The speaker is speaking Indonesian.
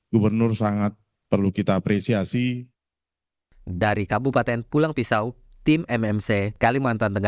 gubernur sangat perlu kita apresiasi